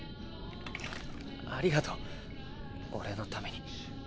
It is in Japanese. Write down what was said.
ありがとう俺のために。